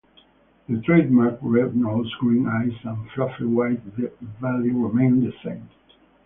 The trademark red nose, green eyes and fluffy white belly remain the same.